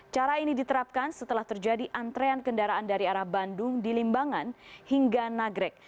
cara ini diterapkan setelah terjadi antrean kendaraan dari arah bandung di limbangan hingga nagrek